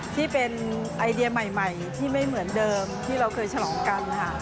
ที่เป็นไอเดียใหม่ที่ไม่เหมือนเดิมที่เราเคยฉลองกันค่ะ